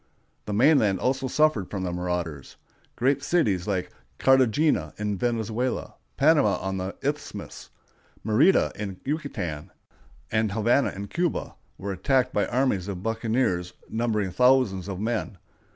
The mainland also suffered from the marauders. Great cities, like Cartagena in Venezuela, Panama on the Isthmus, Mérida in Yucatan, and Havana in Cuba, were attacked by armies of buccaneers numbering thousands of men.